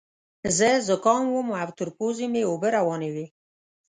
زه ذکام وم او تر پوزې مې اوبه روانې وې.